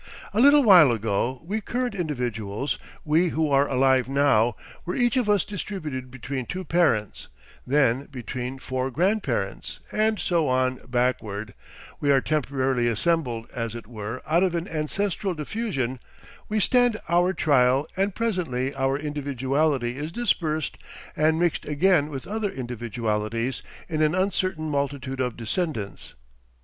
A little while ago we current individuals, we who are alive now, were each of us distributed between two parents, then between four grandparents, and so on backward, we are temporarily assembled, as it were, out of an ancestral diffusion; we stand our trial, and presently our individuality is dispersed and mixed again with other individualities in an uncertain multitude of descendants.